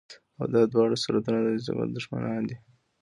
او دا دواړه صورتونه د جنسي قوت دښمنان دي